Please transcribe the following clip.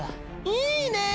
いいねぇ！